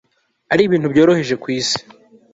ari ibintu byoroheje kwisi